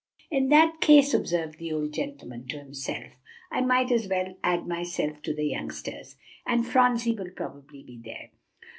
"In that case," observed the old gentleman to himself, "I might as well add myself to the youngsters; and Phronsie will probably be there."